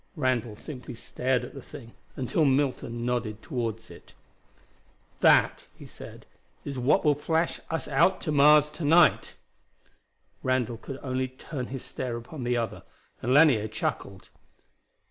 Randall simply stared at the thing, until Milton nodded toward it. "That," he said, "is what will flash us out to Mars to night." Randall could only turn his stare upon the other, and Lanier chuckled.